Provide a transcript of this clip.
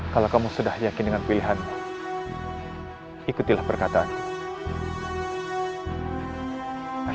kalau kamu sudah yakin dengan pilihanmu ikutilah perkataan